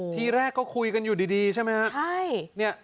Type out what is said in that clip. ทีแรกก็คุยกันอยู่ดีใช่ไหมครับ